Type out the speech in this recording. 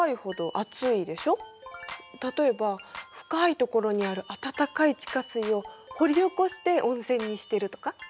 例えば深いところにある温かい地下水を掘り起こして温泉にしてるとか？